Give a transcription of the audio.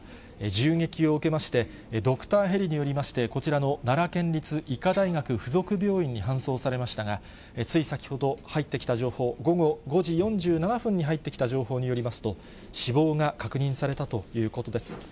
銃撃を受けまして、ドクターヘリによりまして、こちらの奈良県立医科大学附属病院に搬送されましたが、つい先ほど、入ってきた情報、午後５時４７分に入ってきた情報によりますと、死亡が確認されたということです。